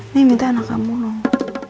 nih minta anak kamu loh